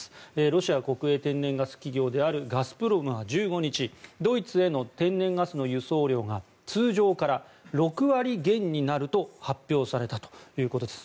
ロシア国営天然ガス企業であるガスプロムは１５日ドイツへの天然ガスの輸送量が通常から６割減になると発表されたということです。